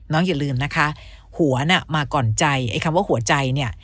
อย่าลืมนะคะหัวน่ะมาก่อนใจไอ้คำว่าหัวใจเนี่ย